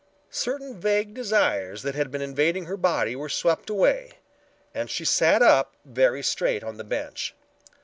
Certain vague desires that had been invading her body were swept away and she sat up very straight on the bench.